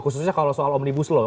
khususnya kalau soal omnibus law